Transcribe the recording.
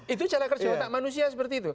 itu cara kerja otak manusia seperti itu